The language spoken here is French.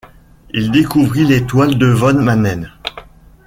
Il découvrit l'étoile de van Maanen.